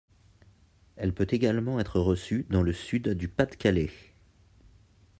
Elle peut également être reçue dans le sud du Pas-de-Calais.